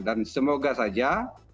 dan semoga saja